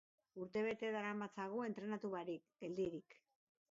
Urtebete daramatzagu entrenatu barik, geldirik.